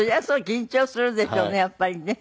緊張するでしょうねやっぱりね。